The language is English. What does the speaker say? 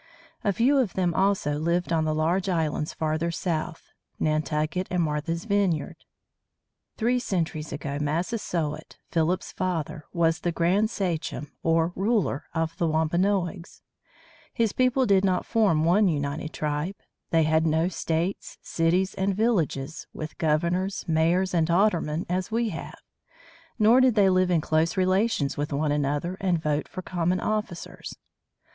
A few of them, also, lived on the large islands farther south, Nantucket and Martha's Vineyard. [Illustration: A GRAND SACHEM] Three centuries ago Massasoit, Philip's father, was the grand sachem, or ruler, of the Wampanoags. His people did not form one united tribe. They had no states, cities, and villages, with governors, mayors, and aldermen, as we have. Nor did they live in close relations with one another and vote for common officers.